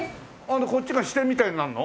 でこっちが支店みたいになるの？